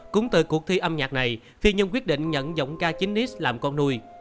cũng từ cuộc thi âm nhạc này phi nhung quyết định nhận giọng ca chính nít làm con nuôi